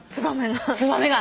ツバメが？